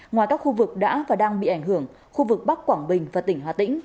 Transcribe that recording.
ngoài các khu vực đã và đang bị ảnh hưởng khu vực bắc quảng bình và tỉnh hà tĩnh